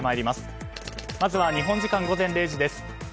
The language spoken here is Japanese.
まずは日本時間午前０時です。